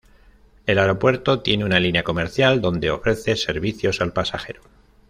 El aeropuerto tiene una línea comercial donde ofrece servicios al pasajero.